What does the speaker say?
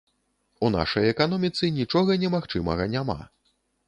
У нашай эканоміцы нічога немагчымага няма.